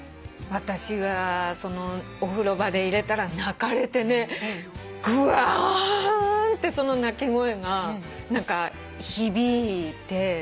私はお風呂場で入れたら泣かれてねグワーンってその泣き声が響いて。